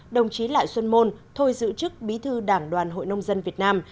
đồng chí lại xuân môn thôi giữ chức bí thư đảng đoàn hội nông dân việt nam